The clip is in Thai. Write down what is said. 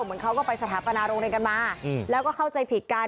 เหมือนเขาก็ไปสถาปนาโรงเรียนกันมาแล้วก็เข้าใจผิดกัน